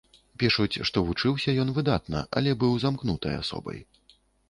Пішуць, што вучыўся ён выдатна, але быў замкнутай асобай.